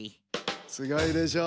すごいでしょ？